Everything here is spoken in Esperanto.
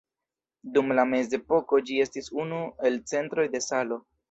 Dum la mezepoko ĝi estis unu el centroj de salo.